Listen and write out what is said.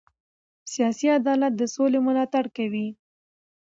سیاسي عدالت د سولې ملاتړ کوي